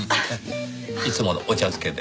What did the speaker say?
いつものお茶漬けで。